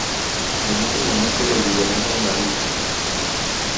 En ese momento le liberaron la vista.